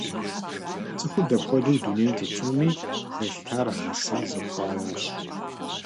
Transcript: ЦӀыхур дапхуэдэу дунейм тетынуми зэлъытар гъэса зэрыхъуаращ.